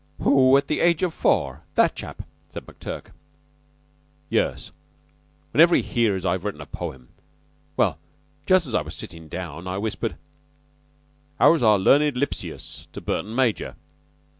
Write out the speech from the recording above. "'Who at the age of four' that chap?" said McTurk. "Yes. Whenever he hears I've written a poem. Well, just as I was sittin' down, I whispered, 'How is our learned Lepsius?' to Burton major.